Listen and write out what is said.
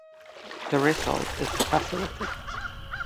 The result is a facility.